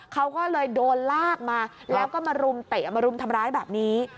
เขาก็เลยโดนลากมาแล้วก็มารุมเตะมารุมทำร้ายแบบนี้